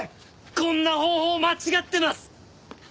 こんな方法間違ってます！